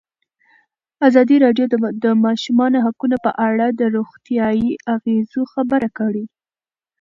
ازادي راډیو د د ماشومانو حقونه په اړه د روغتیایي اغېزو خبره کړې.